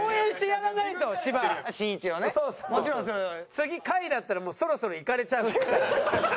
次下位だったらそろそろいかれちゃう。